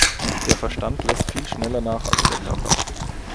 Der Verstand läßt viel schneller nach als der Körper.